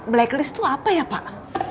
blacklist itu apa ya pak